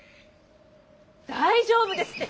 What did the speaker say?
大丈夫ですって！